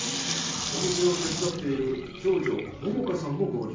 お店を手伝っている長女桃佳さんも合流。